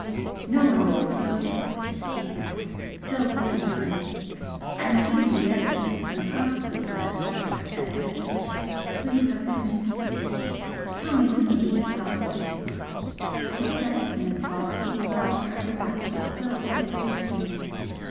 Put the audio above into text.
"No one will approach us," he said, still holding my hand "I am keeping the others, unconsciously to themselves, at a distance till you have finished speaking. Tell me some of these thousand things!" I looked up at him and saw the deep lustre of his eyes filled with a great tenderness.